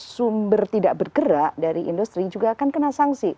sumber tidak bergerak dari industri juga akan kena sanksi